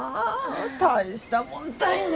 大したもんたいね。